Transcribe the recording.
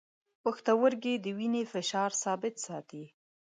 پښتورګي د وینې فشار ثابت ساتي.